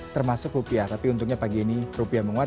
termasuk rupiah tapi untungnya pagi ini rupiah menguat